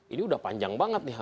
ini udah panjang banget nih